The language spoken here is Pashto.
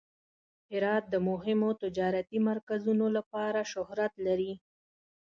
هرات د مهمو تجارتي مرکزونو لپاره شهرت لري.